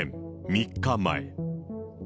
３日前。